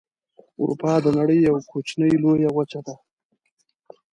اروپا د نړۍ یوه کوچنۍ لویه وچه ده.